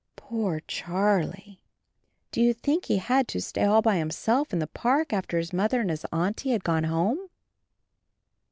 Poor Charlie! Do you think he had to stay all by himself in the park after his Mother and his Auntie had gone home?